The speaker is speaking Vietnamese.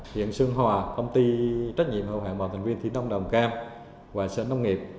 hiện xương hòa công ty trách nhiệm hữu hạn một thành viên thủy nông đồng cam và sở nông nghiệp